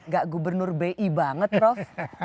gak gubernur bi banget prof